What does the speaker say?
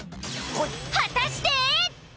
果たして！？